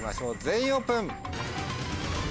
全員オープン！